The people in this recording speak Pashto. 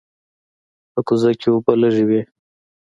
په کوزه کې اوبه لږې وې.